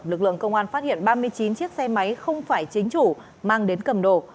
lực lượng công an phát hiện ba mươi chín chiếc xe máy không phải chính chủ mang đến cầm đồ